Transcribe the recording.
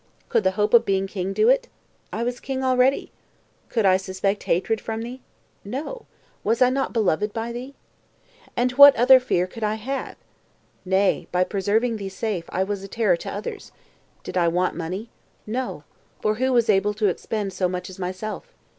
Could the hope of being king do it? I was a king already. Could I suspect hatred from thee? No. Was not I beloved by thee? And what other fear could I have? Nay, by preserving thee safe, I was a terror to others. Did I want money? No; for who was able to expend so much as myself?